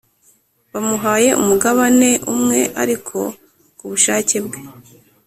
bamuhaye umugabane umwe ariko kubushake bwe